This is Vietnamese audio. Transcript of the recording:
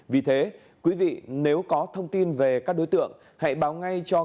vì thế quý vị nếu có thông tin về các đối tượng hãy báo ngay cho